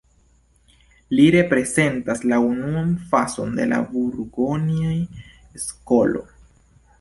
Li reprezentas la unuan fazon de la burgonja skolo.